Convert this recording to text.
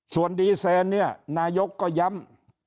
ส่วนดีเซนเนี่ยนายกก็ย้ำ